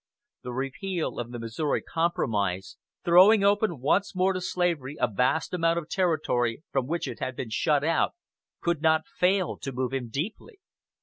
The repeal of the Missouri Compromise, throwing open once more to slavery a vast amount of territory from which it had been shut out, could not fail to move him deeply.